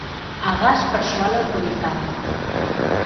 Agás persoal autorizado